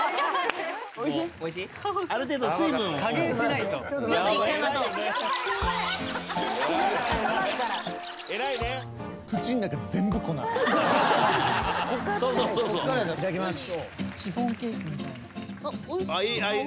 いただきます。